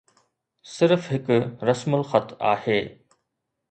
صرف هڪ رسم الخط آهي.